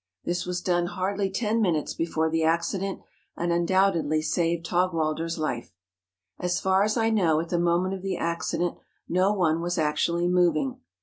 This was done hardly ten minutes before the accident, and undoubtedly saved Taugwalder's life. As far as I know, at the moment of the acci¬ dent, no one was actually moving.